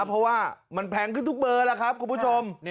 เพราะว่ามันแพงขึ้นทุกเบอร์แล้วครับคุณผู้ชม